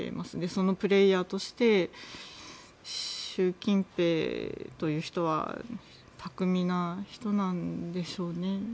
そのプレイヤーとして習近平という人は巧みな人なんでしょうね。